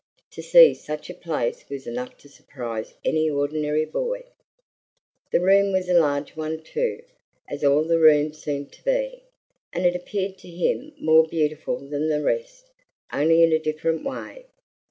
To see such a place was enough to surprise any ordinary boy. The room was a large one, too, as all the rooms seemed to be, and it appeared to him more beautiful than the rest, only in a different way.